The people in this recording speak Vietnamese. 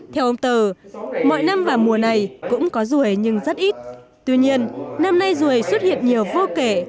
theo ông tờ mỗi năm và mùa này cũng có rùi nhưng rất ít tuy nhiên năm nay rùi xuất hiện nhiều vô kể